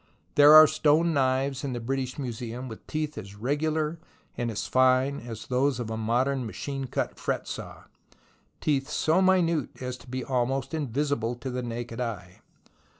There are stone knives in the British Museum with teeth as regular and as fine as those of a modern, machine cut fret saw, teeth so minute as to be almost in visible to the naked eye.